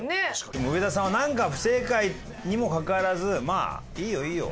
でも上田さんはなんか不正解にもかかわらずまあいいよいいよ